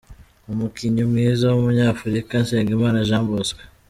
Umukinnyi mwiza w’Umunyafurika Nsengimana Jean Bosco.